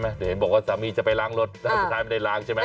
เดี๋ยวเห็นบอกว่าสามีจะไปล้างรถแล้วสุดท้ายไม่ได้ล้างใช่ไหม